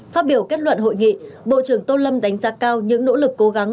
phát biểu kết luận hội nghị bộ trưởng tô lâm đánh giá cao những nỗ lực cố gắng